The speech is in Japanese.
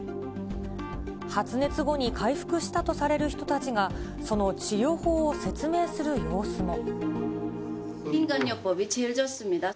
発熱後に回復したとされる人たちが、その治療法を説明する様子も。